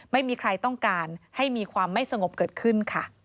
ไม่มีใครต้องการให้มีความไม่สงบเกิดขึ้นค่ะ